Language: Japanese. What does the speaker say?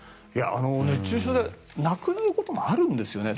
熱中症で亡くなることもあるんですよね。